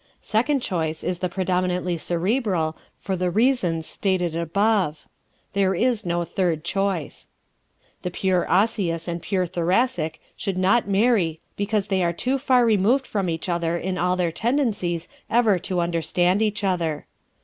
Second choice is the predominantly Cerebral, for the reasons stated above. There is no third choice. The pure Osseous and pure Thoracic should not marry because they are too far removed from each other in all their tendencies ever to understand each other.